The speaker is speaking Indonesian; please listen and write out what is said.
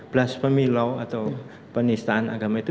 belas pemilu atau penistaan agama itu